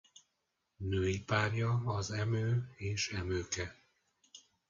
Női párja az Emő és Emőke.